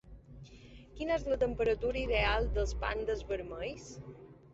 Quina és la temperatura ideal dels pandes vermells?